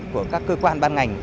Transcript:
của các cơ quan ban ngành